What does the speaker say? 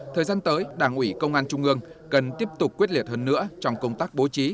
thời gian tới đảng ủy công an trung ương cần tiếp tục quyết liệt hơn nữa trong công tác bố trí